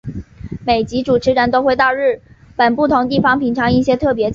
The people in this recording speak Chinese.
每集主持人都会到日本不同地方品尝一些特别菜式。